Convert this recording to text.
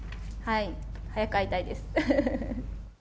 早く会いたいです。